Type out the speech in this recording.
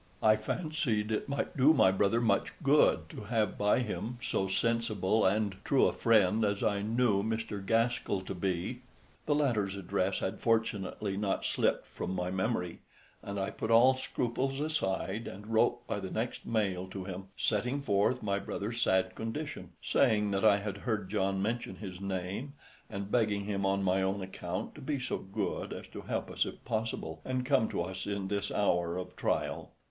I fancied it might do my brother much good to have by him so sensible and true a friend as I knew Mr. Gaskell to be. The latter's address had fortunately not slipped from my memory, and I put all scruples aside and wrote by the next mail to him, setting forth my brother's sad condition, saying that I had heard John mention his name, and begging him on my own account to be so good as to help us if possible and come to us in this hour of trial.